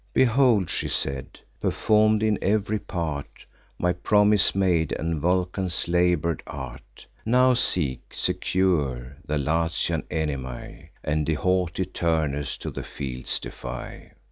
"Behold," she said, "perform'd in ev'ry part, My promise made, and Vulcan's labour'd art. Now seek, secure, the Latian enemy, And haughty Turnus to the field defy."